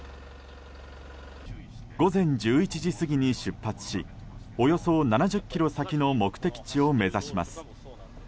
午前１１時過ぎに出発しおよそ７０ｋｍ先の目的地を目指します。